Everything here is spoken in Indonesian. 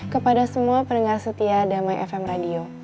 kepada semua pendengar setia damai fm radio